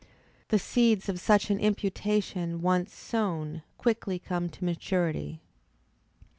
The seeds of such an imputation, once sown, quickly come to maturity.